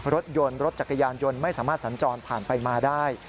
รถยนต์รถจักรยานยนต์ไม่สามารถสัญจรผ่านไปมาได้